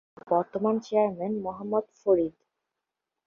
ইউনিয়নের বর্তমান চেয়ারম্যান মোহাম্মদ ফরিদ।